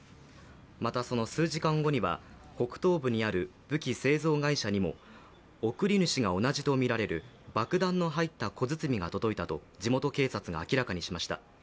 またその数時間後には北東部にある武器製造会社にも送り主が同じとみられる爆弾の入った小包が届いたと地元警察が明らかにしました。